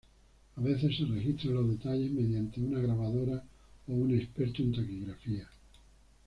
A veces se registran los detalles mediante una grabadora, o un experto en taquigrafía.